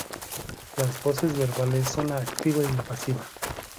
La voces verbales son la activa y la pasiva.